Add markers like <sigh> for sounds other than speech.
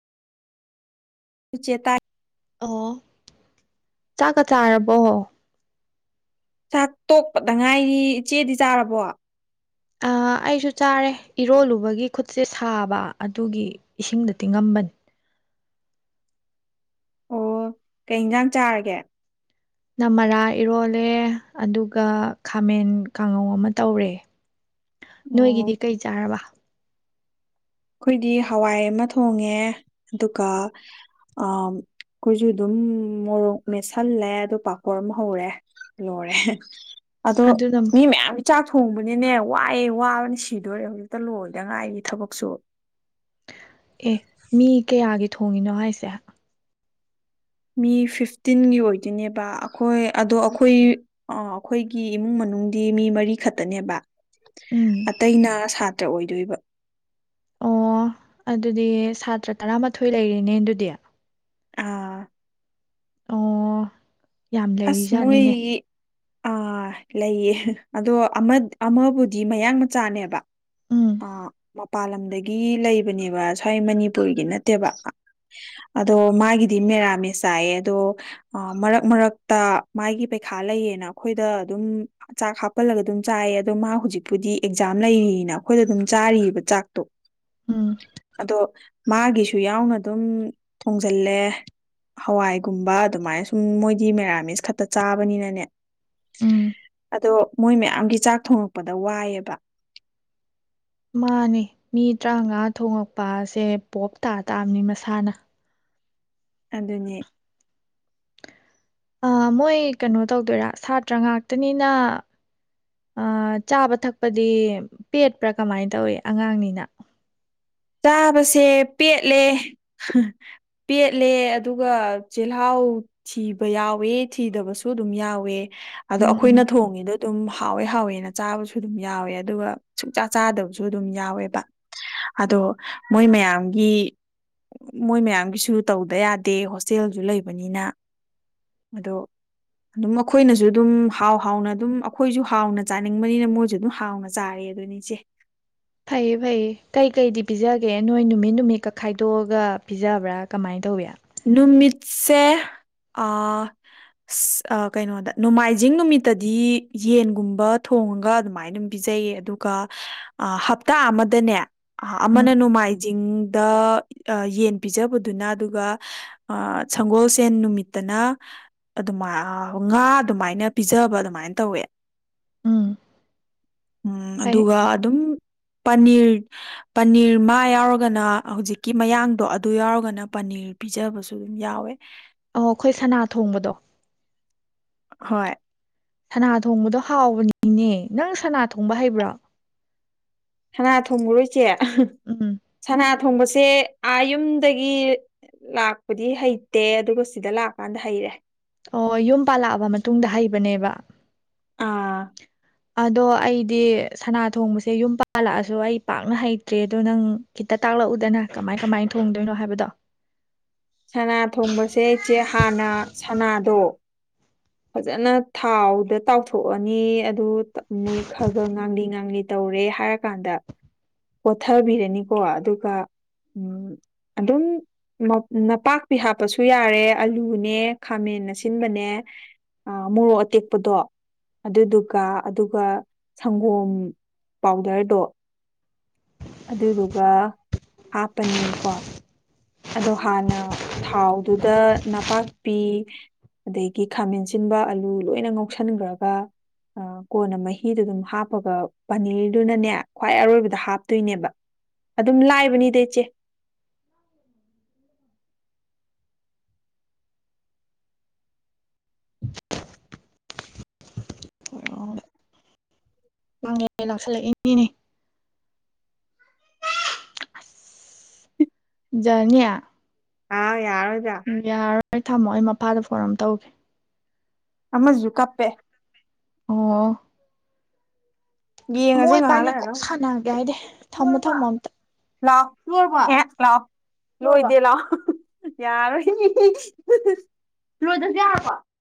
ꯆꯦ ꯇꯥꯏ ꯑꯣ ꯆꯥꯛꯀ ꯆꯥꯔꯕꯣ ꯆꯥꯛ ꯇꯣꯛꯄꯗ ꯉꯥꯏꯔꯤ ꯏꯆꯦꯗꯤ ꯆꯥꯔꯕꯣ ꯑꯩꯁꯨ ꯆꯥꯔꯦ ꯏꯔꯣꯜꯂꯨꯕꯒꯤ ꯈꯨꯠꯁꯦ ꯁꯥꯕ ꯑꯗꯨꯒꯤ ꯏꯁꯤꯡꯗ ꯇꯤꯡꯉꯝꯕꯅꯤ ꯑꯣ ꯀꯩ ꯏꯟꯁꯥꯡ ꯆꯥꯔꯒꯦ ꯅꯃꯔꯥ ꯏꯔꯣꯜꯂꯦ ꯑꯗꯨꯒ ꯈꯥꯃꯦꯟ ꯀꯥꯡꯉꯧ ꯑꯃ ꯇꯧꯔꯦ ꯅꯣꯏꯒꯤꯗꯤ ꯑꯣ ꯀꯩ ꯆꯥꯔꯕ ꯑꯩꯈꯣꯏꯗꯤ ꯍꯋꯥꯏ ꯑꯃ ꯊꯣꯡꯉꯦ ꯑꯗꯨꯒ ꯑꯩꯈꯣꯏꯁꯨ ꯑꯗꯨꯝ ꯃꯣꯔꯣꯛ ꯃꯦꯠꯁꯜꯂꯦ ꯑꯗꯨ ꯄꯥꯀꯣꯔ ꯑꯃ ꯍꯧꯔꯦ ꯂꯣꯏꯔꯦ ꯑꯗꯣ ꯑꯗꯨꯅ ꯃꯤ ꯃꯌꯥꯝ ꯆꯥꯛ ꯊꯣꯡꯕꯅꯤꯅꯦ ꯋꯥꯏꯑꯦ ꯋꯥꯕꯅ ꯁꯤꯗꯣꯔꯦ ꯍꯧꯖꯤꯛꯇ ꯂꯣꯏꯗꯉꯥꯏꯒꯤ ꯊꯕꯛꯁꯨ ꯑꯦ ꯃꯤ ꯀꯌꯥꯒꯤ ꯊꯣꯡꯉꯤꯅꯣ ꯍꯥꯏꯁꯦ ꯃꯤ ꯐꯤꯐꯇꯤꯟꯒꯤ ꯑꯣꯏꯗꯣꯏꯅꯦꯕ ꯑꯩꯈꯣꯏ ꯑꯗꯣ ꯑꯩꯈꯣꯏ ꯑꯩꯈꯣꯏꯒꯤ ꯏꯃꯨꯡ ꯃꯅꯨꯡꯗꯤ ꯃꯤ ꯃꯔꯤ ꯈꯠꯇꯅꯦꯕ ꯎꯝ ꯑꯇꯩꯅ ꯁꯥ ꯇ ꯑꯣꯏꯗꯣꯏꯕ ꯑꯣ ꯑꯗꯨꯗꯤ ꯁꯇ꯭ꯔ ꯇꯔꯥꯃꯥꯊꯣꯏ ꯂꯩꯔꯤꯅꯦ ꯑꯗꯨꯗꯤ ꯑꯥ ꯑꯣ ꯌꯥꯝ ꯑꯁ ꯂꯩꯔꯤꯖꯥꯠꯅꯤꯅꯦ ꯃꯣꯏꯒꯤ ꯑꯥ ꯂꯩꯌꯦ ꯑꯗꯣ ꯑꯃ-ꯑꯃꯕꯨꯗꯤ ꯃꯌꯥꯡ ꯃꯆꯥꯅꯦꯕ ꯎꯝ ꯑꯥ ꯃꯄꯥꯟ ꯂꯝꯗꯒꯤ ꯂꯩꯕꯅꯦꯕ ꯁ꯭ꯋꯥꯏ ꯃꯅꯤꯄꯨꯔꯒꯤ ꯅꯠꯇꯦꯕ ꯑꯗꯣ ꯃꯥꯒꯤꯗꯤ ꯃꯦꯔꯥꯃꯦ ꯆꯥꯏꯌꯦ ꯑꯗꯣ ꯃꯔꯛ ꯃꯔꯛ ꯇ ꯃꯥꯒꯤ ꯄꯩꯈꯥ ꯂꯩꯌꯦꯅ ꯑꯩꯈꯣꯏꯗ ꯑꯗꯨꯝ ꯆꯥꯛ ꯍꯥꯞꯄꯜꯂꯒ ꯑꯗꯨꯝ ꯆꯥꯏꯌꯦ ꯑꯗꯣ ꯃꯥ ꯍꯧꯖꯤꯛꯄꯨꯗꯤ ꯑꯦꯛꯖꯥꯝ ꯂꯩꯌꯦꯅ ꯑꯩꯈꯣꯏꯗ ꯑꯗꯨꯝ ꯆꯥꯔꯤꯑꯕ ꯆꯥꯛꯇꯣ ꯎꯝ ꯑꯗꯣ ꯃꯥꯒꯤꯁꯨ ꯌꯥꯎꯅ ꯑꯗꯨꯝ ꯊꯣꯡꯖꯜꯂꯦ ꯍꯋꯥꯏꯒꯨꯝꯕ ꯑꯗꯨꯃꯥꯏꯅ ꯁꯨꯝ ꯃꯣꯏꯗꯤ ꯃꯦꯔ ꯃꯤꯁ ꯈꯠꯇ ꯆꯥꯕꯅꯤꯅꯅꯦ ꯎꯝ ꯑꯗꯣ ꯃꯣꯏ ꯃꯌꯥꯝꯒꯤ ꯆꯥꯛ ꯊꯣꯡꯉꯛꯄꯗ ꯋꯥꯏꯌꯦꯕ ꯃꯥꯅꯤ ꯃꯤ ꯇꯔꯥꯃꯉꯥ ꯊꯣꯉꯛꯄꯁꯦ ꯄꯣꯞ ꯇꯥ ꯇꯥꯕꯅꯤ ꯃꯁꯥꯅ ꯑꯗꯨꯅꯦ ꯑꯥ-ꯃꯣꯏ ꯀꯩꯅꯣ ꯇꯧꯗꯣꯏꯔꯥ ꯁꯥꯇ꯭ꯔ ꯉꯥꯛꯇꯅꯤꯅ ꯆꯥꯕ ꯊꯛꯄꯗꯤ ꯄꯦꯠꯄ꯭ꯔꯥ ꯀꯃꯥꯏꯅ ꯇꯧꯏ ꯑꯉꯥꯡꯅꯤꯅ ꯆꯥꯕꯁꯦ ꯄꯦꯠꯂꯦ ꯍꯥ ꯄꯦꯠꯂꯦ ꯑꯗꯨꯒ ꯆꯤꯜꯍꯥꯎ ꯊꯤꯕ ꯌꯥꯎꯋꯦ ꯊꯤꯗꯕꯁꯨ ꯑꯗꯨꯝ ꯌꯥꯎꯋꯦ ꯑꯗꯣ ꯎꯝ ꯎꯝ ꯑꯩꯈꯣꯏꯅ ꯊꯣꯡꯉꯤꯗꯣ ꯑꯗꯨꯝ ꯍꯥꯎꯋꯦ-ꯍꯥꯎꯋꯦ ꯅ ꯆꯥꯕꯁꯨ ꯑꯗꯨꯝ ꯌꯥꯎꯋꯦ ꯑꯗꯨꯒ ꯁꯨꯡꯆꯥ ꯆꯥꯗꯕꯁꯨ ꯑꯗꯨꯝ ꯌꯥꯎꯋꯦꯕ ꯑꯗꯣ ꯃꯣꯏ ꯃꯌꯥꯝꯒꯤ ꯃꯣꯏ ꯃꯌꯥꯝꯒꯤꯁꯨ ꯇꯧꯗ ꯌꯥꯗꯦ ꯍꯣꯁꯇꯦꯜꯁꯨ ꯂꯩꯕꯅꯤꯅ ꯑꯗꯣ ꯑꯗꯨꯝ ꯑꯩꯈꯣꯏꯅꯁꯨ ꯑꯗꯨꯝ ꯍꯥꯎ ꯍꯥꯎꯅ ꯑꯗꯨꯝ ꯑꯩꯈꯣꯏꯁꯨ ꯍꯥꯎꯅ ꯆꯥꯅꯤꯡꯕꯅꯤꯅ ꯃꯣꯏꯁꯨ ꯑꯗꯨꯝ ꯍꯥꯎꯅ ꯆꯥꯔꯦ ꯑꯗꯨꯅꯦ ꯏꯆꯦ ꯐꯩꯌꯦ-ꯐꯩꯌꯦ ꯀꯩ-ꯀꯩꯗꯤ ꯄꯤꯖꯒꯦ ꯅꯣꯏ ꯅꯨꯃꯤꯠ ꯅꯨꯃꯤꯠꯀ ꯈꯥꯏꯗꯣꯛꯑꯒ ꯄꯤꯖꯕ꯭ꯔꯥ ꯀꯃꯥꯏꯅ ꯇꯧꯋꯤ ꯅꯨꯃꯤꯠꯁꯦ ꯀꯩꯅꯣꯗ ꯅꯣꯡꯃꯥꯏꯖꯤꯡ ꯅꯨꯃꯤꯠꯇꯗꯤ ꯌꯦꯟꯒꯨꯝꯕ ꯊꯣꯡꯉꯒ ꯑꯗꯨꯃꯥꯏꯅ ꯑꯗꯨꯝ ꯄꯤꯖꯩꯌꯦ ꯑꯗꯨꯒ ꯍꯞꯇꯥ ꯑꯃꯗꯅꯦ ꯎꯝ ꯑꯃꯅ ꯅꯣꯡꯃꯥꯥꯏ ꯖꯤꯡꯗ ꯑ ꯌꯦꯟ ꯄꯤꯖꯕꯗꯨꯅ ꯑꯗꯨꯒ ꯍꯥ ꯁꯪꯒꯣꯜꯁꯦꯟ ꯅꯨꯃꯤꯠꯇꯅ ꯑꯗꯨꯃꯥꯏ ꯉꯥ ꯑꯗꯨꯃꯥꯏꯅ ꯄꯤꯖꯕ ꯑꯗꯨꯃꯥꯏꯅ ꯇꯧꯋꯦ ꯎꯝ ꯎꯨꯝ ꯐꯩ ꯑꯗꯨꯒ ꯑꯗꯨꯝ ꯄꯅꯤꯔ-ꯄꯅꯤꯔ ꯃꯥ ꯌꯥꯎꯔꯒꯅ ꯍꯧꯖꯤꯛꯀꯤ ꯃꯌꯥꯡꯗꯣ ꯑꯗꯨ ꯌꯥꯎꯔꯒꯅ ꯄꯅꯤꯔ ꯄꯤꯖꯕꯁꯨ ꯌꯥꯎꯋꯦ ꯑꯣ ꯑꯈꯣꯏ ꯁꯅꯥ ꯊꯣꯡꯕꯗꯣ ꯍꯣꯏ ꯁꯅꯥ ꯊꯣꯡꯕꯗꯣ ꯍꯥꯎꯕꯅꯤꯅꯦ ꯅꯪ ꯁꯅꯥ ꯊꯣꯡꯕ ꯍꯩꯕꯔ ꯁꯅꯥ ꯊꯣꯡꯕꯔꯣ ꯏꯁꯦ ꯑꯍ ꯎꯝ ꯁꯅꯥ ꯊꯣꯡꯕꯁꯦ ꯑꯥ ꯌꯨꯝꯗꯒꯤ ꯂꯥꯛꯄꯗꯤ ꯍꯩꯇꯦ ꯑꯗꯨꯒ ꯁꯤꯗ ꯂꯥꯛꯀꯥꯟꯗ ꯍꯩꯔꯦ ꯑꯣ ꯌꯨꯝ ꯄꯥꯜꯂꯛꯑꯕ ꯃꯇꯨꯡꯗ ꯍꯩꯕꯅꯦꯕ ꯑꯥ ꯑꯗꯣ ꯑꯩꯗꯤ ꯁꯅꯥ ꯊꯣꯡꯕꯁꯦ ꯌꯨꯝ ꯄꯥꯜꯂꯛꯑꯁꯨ ꯑꯩ ꯄꯥꯛꯅ ꯍꯩꯇ꯭ꯔꯦ ꯑꯗꯣ ꯅꯪ ꯈꯤꯇ ꯇꯥꯛꯂꯛꯎꯗꯅ ꯀꯃꯥꯏ-ꯀꯃꯥꯏꯅ ꯊꯣꯡꯗꯣꯏꯅꯣ ꯍꯥꯏꯕꯗꯣ ꯁꯅꯥ ꯊꯣꯡꯕꯁꯦ ꯏꯆꯦ ꯍꯥꯟꯅ ꯁꯅꯥ ꯗꯣ ꯐꯖꯅ ꯊꯥꯎꯗ ꯇꯥꯎꯊꯣꯛꯑꯅꯤ ꯑꯗꯨ ꯃꯨꯜ ꯈꯒ ꯉꯥꯡꯂꯤ ꯉꯥꯡꯂꯤ ꯇꯧꯔꯦ ꯍꯥꯏꯔꯀꯥꯟꯗ ꯀꯣꯊꯕꯤꯔꯅꯤꯀꯣ ꯑꯗꯨꯒ ꯎꯝ ꯑꯗꯨꯝ ꯃꯞ ꯅꯄꯥꯛꯄꯤ ꯍꯥꯞꯄꯁꯨ ꯌꯥꯔꯦ ꯑꯂꯨꯅꯦ ꯈꯥꯃꯦꯟ ꯑꯁꯤꯟꯕꯅꯦ ꯑꯥ ꯃꯣꯔꯣꯛ ꯑꯇꯦꯛꯄꯗꯣ ꯑꯗꯨꯗꯨꯒ ꯑꯗꯨꯒ ꯁꯪꯒꯣꯝ ꯄꯥꯎꯗꯔꯗꯣ ꯑꯗꯨꯗꯨꯒ ꯍꯥꯞꯄꯅꯤꯀꯣ ꯑꯗꯣ ꯍꯥꯟꯅ ꯊꯥꯎꯗꯨꯗ ꯅꯄꯥꯛꯄꯤ ꯑꯗꯒꯤ ꯈꯥꯃꯦꯟꯁꯤꯟꯕ ꯑꯂꯨ ꯂꯣꯏꯅ ꯉꯧꯁꯟꯒꯔꯥꯒ ꯑ ꯀꯣꯟꯅ ꯃꯍꯤꯗꯨ ꯗꯨꯝ ꯍꯥꯞꯄꯒ ꯄꯅꯤꯔꯗꯨꯅꯅꯦ ꯈ꯭ꯋꯥꯏ ꯑꯔꯣꯏꯕꯗ ꯍꯥꯞꯇꯣꯏꯅꯦꯕ ꯑꯗꯨꯝ ꯂꯥꯏꯕꯅꯤꯗ ꯏꯆꯦ ꯑꯣ <unintelligible> ꯑꯁ ꯖꯥꯅꯤ ꯑꯥꯏ ꯌꯥꯔꯣꯏꯗ ꯊꯝꯃꯣ ꯑꯩ ꯃꯄꯥꯗ ꯐꯣꯟ ꯑꯝ ꯇꯧꯒꯦ ꯑꯃꯖꯨ ꯀꯞꯄꯦ ꯑꯣ ꯌꯦꯡꯉꯁꯦ ꯃꯣꯏ ꯉꯥꯏꯍꯥꯛ ꯕꯥꯅꯤ ꯂꯩꯔꯒ ꯀꯣꯛ ꯑꯃꯨꯛ꯫ ꯁꯥꯟꯅꯒꯦ ꯍꯥꯏꯗꯦ ꯊꯝꯃꯣ ꯊꯝꯃꯣ ꯑꯝꯇ ꯂꯥꯑꯣ ꯂꯣꯏꯔꯕꯣ ꯑꯦ ꯂꯥꯑꯣ ꯂꯣꯏꯗꯦ ꯂꯥꯑꯣ ꯌꯥꯔꯣꯏ ꯂꯣꯏꯗꯖꯨ ꯌꯥꯔꯕꯣ